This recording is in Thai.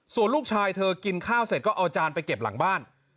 ส่วนลูกชายเธอกินข้าวเสร็จก็เอาจานไปเก็บหลังบ้าน